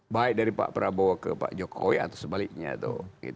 baik dari pak prabowo ke pak jokowi atau sebaliknya tuh